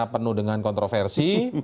penuh dengan kontroversi